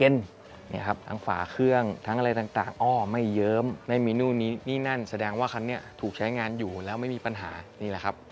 นี่แหละครับ